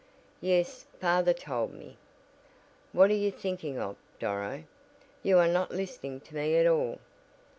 "Yes, father told me." "What are you thinking of, Doro? You are not listening to me at all."